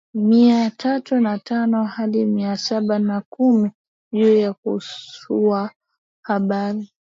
mia tatu na tano hadi mia saba na kumi juu ya usawa wa bahari